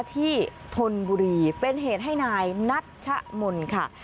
ธนบุรีเป็นเหตุให้นายนัชมนต์ค่ะ